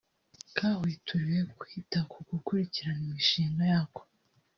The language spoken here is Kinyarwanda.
kahwituriwe kwita ku gukurikirana imishinga yako